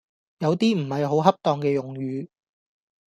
有啲唔係好恰當嘅用語